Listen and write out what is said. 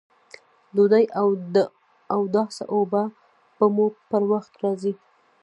ډوډۍ او د اوداسه اوبه به مو پر وخت راځي!